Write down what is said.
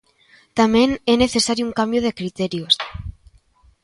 Tamén é necesario un cambio de criterios.